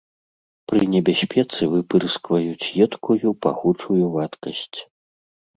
Пры небяспецы выпырскваюць едкую, пахучую вадкасць.